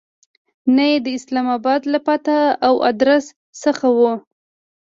نه یې د اسلام آباد له پته او آدرس څخه کوو.